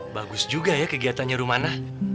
bagus juga ya kegiatannya rumana